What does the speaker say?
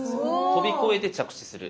飛び越えて着地する。